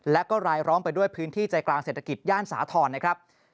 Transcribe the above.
และก็รายล้อมไปด้วยพื้นที่ใจกลางเศรษฐกิจย่านสาธรณ์นะครับ